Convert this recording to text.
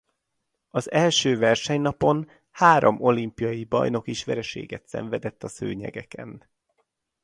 Az első versenynapon három olimpiai bajnok is vereséget szenvedett a szőnyegeken.